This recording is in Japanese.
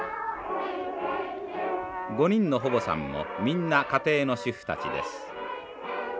５人の保母さんもみんな家庭の主婦たちです。